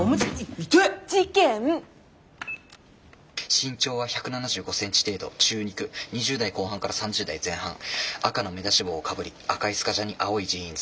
「身長は１７５ｃｍ程度中肉２０代後半から３０代前半赤の目出し帽をかぶり赤いスカジャンに青いジーンズ」。